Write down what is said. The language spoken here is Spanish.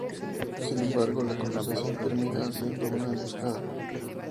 Sin embargo, la conversación termina siendo una emboscada.